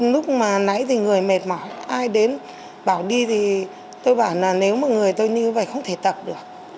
lúc mà nãy thì người mệt mỏi ai đến bảo đi thì tôi bảo là nếu mà người tôi như vậy không thể tập được